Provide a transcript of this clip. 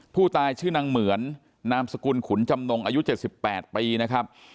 ผู้ตายชื่อนางเหมือนนามสกุลขุนจำนงอายุ๗๘ปีนะครับ